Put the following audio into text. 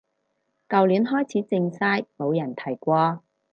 舊年開始靜晒冇人提過